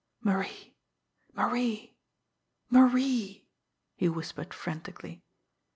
"Marie! Marie! Marie!" he whispered frantically.